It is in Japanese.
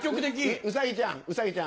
ウサギちゃんウサギちゃん。